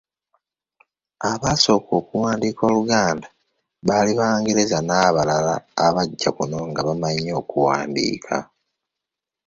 Abaasooka okuwandiika Oluganda baali Bangereza n'abala abajja kuno nga bamanyi okuwandiika.